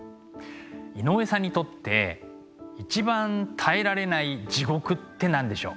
井上さんにとって一番耐えられない地獄って何でしょう？